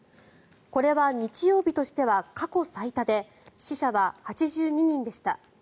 これは日曜日としては過去最多で死者は８２人でした。